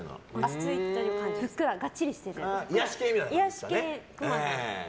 ふっくら、がっちりして癒やし系。